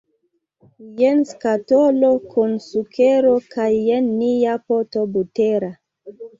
Jen skatolo kun sukero kaj jen nia poto butera.